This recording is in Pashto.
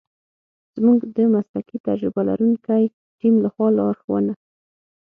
زمونږ د مسلکي تجربه لرونکی تیم لخوا لارښونه